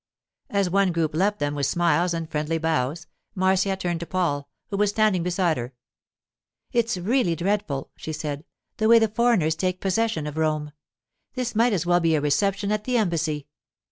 As one group left them with smiles and friendly bows, Marcia turned to Paul, who was standing beside her. 'It's really dreadful,' she said, 'the way the foreigners take possession of Rome. This might as well be a reception at the Embassy.